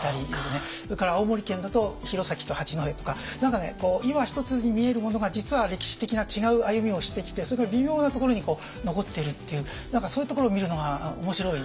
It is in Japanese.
それから青森県だと弘前と八戸とか何かね今一つに見えるものが実は歴史的な違う歩みをしてきてそれが微妙なところに残っているっていう何かそういうところを見るのが面白いです。